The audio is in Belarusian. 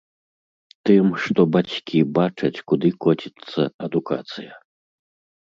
Тым, што бацькі бачаць, куды коціцца адукацыя.